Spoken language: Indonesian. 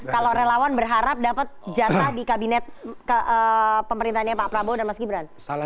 kalau relawan berharap dapat jasa di kabinet pemerintahnya pak prabowo dan mas gibran